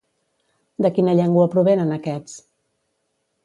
De quina llengua provenen aquests?